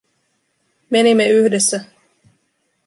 Menimme yhdessä.